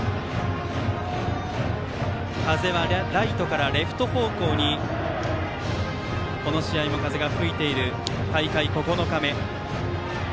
風はライトからレフト方向にこの試合も吹いている大会９日目。